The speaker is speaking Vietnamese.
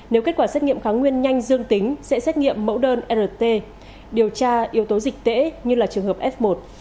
nếu kết quả xét nghiệm kháng nguyên nhanh dương tính sẽ xét nghiệm mẫu đơn rt điều tra yếu tố dịch tễ như là trường hợp f một